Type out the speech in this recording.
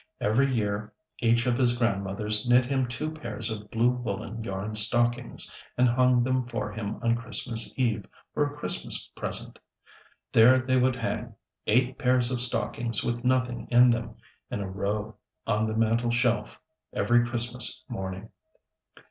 Every year each of his Grandmothers knit him two pairs of blue woollen yarn stockings, and hung them for him on Christmas Eve, for a Christmas present. There they would hang eight pairs of stockings with nothing in them, in a row on the mantel shelf, every Christmas morning.